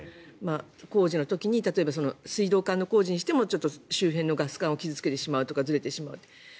工事の時に例えば水道管の工事にしても周辺のガス管を傷付けてしまうとかずれてしまう。